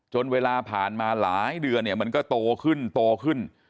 เวลาผ่านมาหลายเดือนเนี่ยมันก็โตขึ้นโตขึ้น